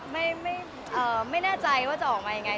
ไม่ไม่เอ่อไม่แน่ใจว่าจะออกมาอย่างไง